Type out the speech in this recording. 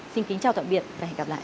xin kính chào tạm biệt và hẹn gặp lại